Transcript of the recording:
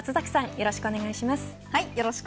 よろしくお願いします。